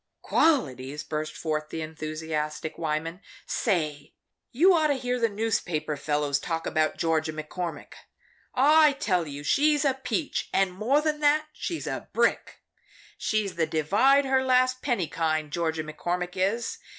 "Qualities!" burst forth the enthusiastic Wyman. "Say you just ought to hear the newspaper fellows talk about Georgia McCormick! I tell you she's a peach, and more than that, she's a brick. She's the divide her last penny kind Georgia McCormick is.